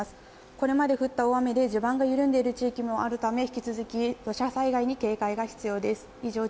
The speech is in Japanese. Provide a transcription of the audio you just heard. これまで降った大雨で地盤が緩んでいる地域があるため引き続き土砂災害に警戒が必要です。